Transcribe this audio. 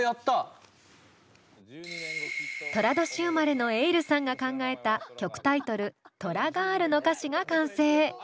トラ年生まれのｅｉｌｌさんが考えた曲タイトル「トラガール」の歌詞が完成。